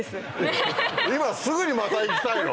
今すぐにまた行きたいの？